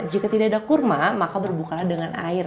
jika tidak ada kurma maka berbukalah dengan air